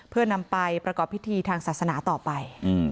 เพื่อนำไปประกอบพิธีทางศาสนาต่อไป